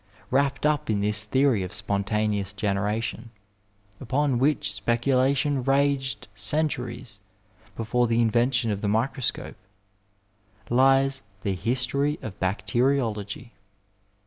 Wrapped up in this theory of spontaneous generation, upon which speculation raged centuries before the invention of the microscope, lies the history of bacteriology.